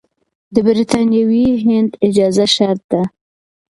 د برتانوي هند اجازه شرط ده.